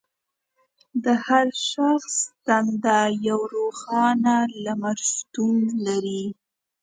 د هر شخص دننه یو روښانه لمر شتون لري.